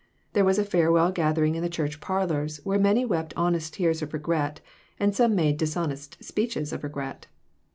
There was a farewell gathering in the church parlors, where many wept honest tears of regret, and some made dishonest speeches of regret.